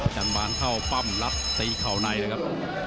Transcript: กับอาจารย์บ้านเข้าปั้มรับตีเข้าในนะครับ